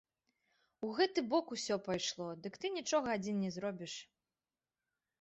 У гэты бок усё пайшло, дык ты нічога адзін не зробіш.